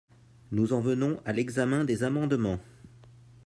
Nous en venons à l’examen des amendements.